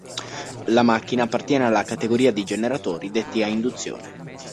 La macchina appartiene alla categoria di generatori detti "a induzione".